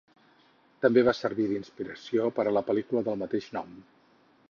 També va servir d'inspiració per la pel·lícula del mateix nom.